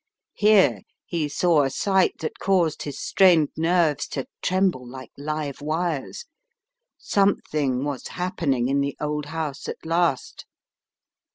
Here he saw a sight that caused his strained nerves to tremble like live wires. Something was happening in the old house at last!